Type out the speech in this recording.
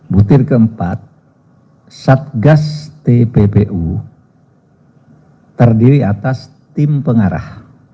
butir keempat satgas tppu terdiri atas tim pengarah